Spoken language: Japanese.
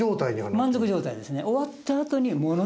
満足状態ですね